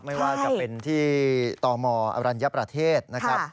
ไม่ว่าจะเป็นที่ตมอรัญญประเทศนะครับ